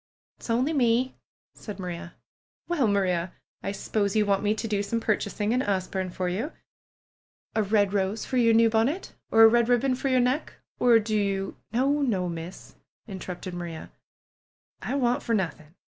'^IPs only me," said Maria. "Well, Maria! I suppose you want me to do some purchasing in Asburne for you ! A red rose for your new bonnet ? Or a red ribbon for your neck? Or do you " "No, no. Miss !" interrupted Maria. "I want for nothing.